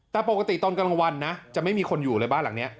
แต่ปกติตอนกลางวันนะจะไม่มีคนอยู่เลยบ้านหลังนี้